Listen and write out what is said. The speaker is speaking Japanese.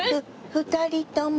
「２人とも」。